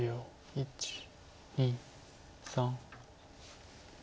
１２３。